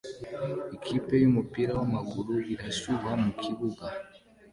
Ikipe yumupira wamaguru irashyuha mukibuga